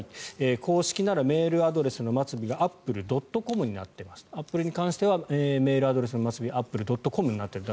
公式ならメールアドレスの末尾が「ａｐｐｌｅ．ｃｏｍ」になっているアップルに関してはメールアドレスの末尾が「ａｐｐｌｅ．ｃｏｍ」になってると。